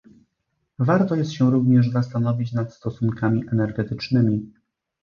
Warto jest się również zastanowić nad stosunkami energetycznymi